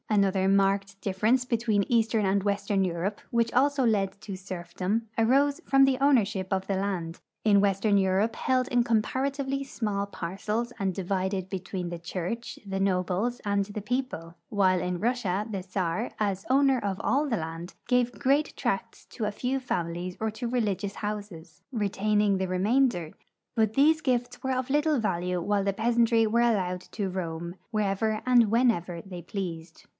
20 PRUSSIA IX EUPOPE Another marked difference between eastern and western Europe, which also led to serfdom, arose from the ownership of the land, in Avestern Europe held in comparatively small par cels and divided between the church, the nobles, and the people, Avhile in Russia the Czar, as owner of all the land, gave great ffracts to a few families or to religious houses, retaining the re mainder ; hut these gifts were of little value Avhile the peasantry were allowed to roani Avherever and whenever they i)leased.